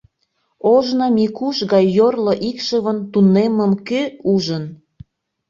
Ожно Микуш гай йорло икшывын тунеммым кӧ ужын?